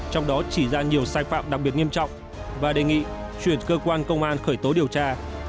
trong đó chỉ ra nhiều sai phạm đặc biệt nghiêm trọng và đề nghị chuyển cơ quan công an khởi tố điều tra